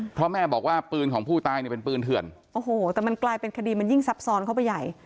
เพราะแม่บอกว่าปืนของผู้ตายเนี่ยเป็นปืนเถื่อนโอ้โหแต่มันกลายเป็นคดีมันยิ่งซับซ้อนเข้าไปใหญ่